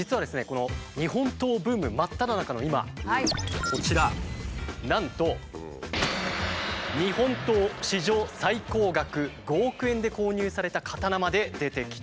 この日本刀ブーム真っただ中の今こちらなんと日本刀史上最高額５億円で購入された刀まで出てきたんです。